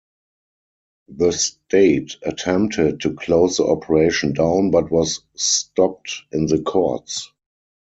The state attempted to close the operation down but was stopped in the courts.